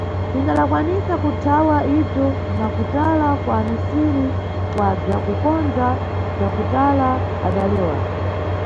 Tingadakwanisa kuthawa ibzwo na kutala kwa amisiri wa bzwa kukondza, bzwa kutala, adalewa.